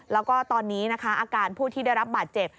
แล้วก็ตอนนี้นะคะอาการผู้ที่ได้รับบาดเจ็บ